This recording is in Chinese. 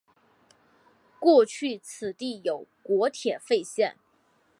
过去此地有国铁废线。